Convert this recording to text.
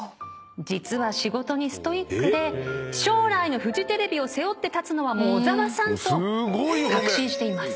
実は仕事にストイックで将来のフジテレビを背負って立つのは小澤さんと確信しています。